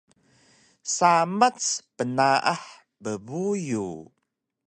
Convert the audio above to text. samac pnaah bbuyu